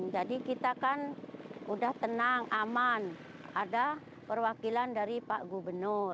jadi kita kan udah tenang aman ada perwakilan dari pak gubernur